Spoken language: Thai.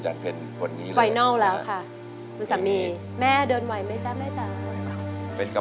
แต่เงินมีไหม